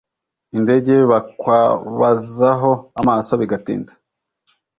indege bakwabazaho amaso bigatinda